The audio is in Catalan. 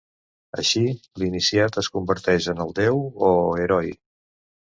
Així, l'iniciat es converteix en el déu o heroi.